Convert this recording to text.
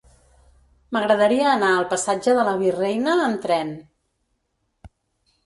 M'agradaria anar al passatge de la Virreina amb tren.